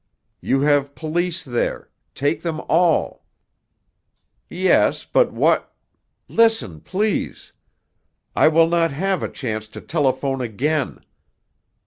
You have police there—take them all!" "Yes; but what——" "Listen, please! I will not have a chance to telephone again.